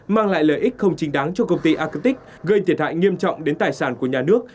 mang lại lợi ích không chính đáng cho công ty agic gây thiệt hại nghiêm trọng đến tài sản của nhà nước